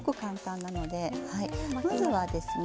まずはですね